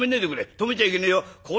止めちゃいけねえよ。